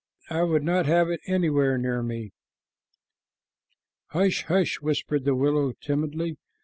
I would not have it a anywhere near me." "Hush, hush," whispered the willow timidly.